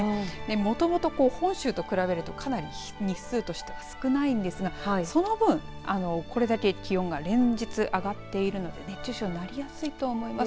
もともと本州と比べるとかなり日数としては少ないんですがその分これだけ気温が連日上がっているので熱中症になりやすいと思います。